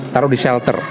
taruh di shelter